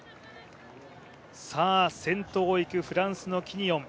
先頭を行くフランスのキニオン。